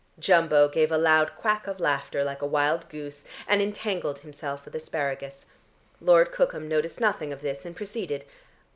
Jumbo gave a loud quack of laughter like a wild goose, and entangled himself with asparagus. Lord Cookham noticed nothing of this, and proceeded.